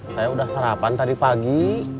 saya sudah sarapan tadi pagi